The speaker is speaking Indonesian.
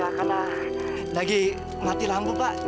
ya karena lagi mati lampu pak